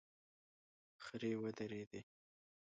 خرې ودرېدې.